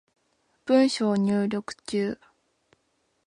文章入力中